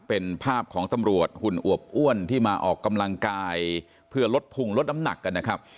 เป็นภาพของตำรวจหุ่นอวบอ้วนที่มาออกกำลังกายเพื่อลดพุงลดน้ำหนักกันนะครับ